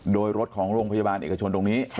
โดยรถของโรงพยาบาลเอกชนตรงนี้